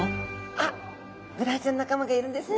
あっブダイちゃんの仲間がいるんですね。